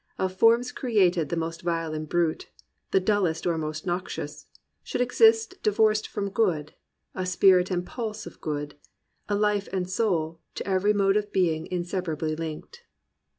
Of forms created the most vile and brute. The dullest or most noxious, should exist Divorced from good — a spirit and pulse of good, A life and soul, to every mode of being Inseparably linked."